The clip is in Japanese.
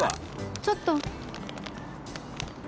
ちょっと。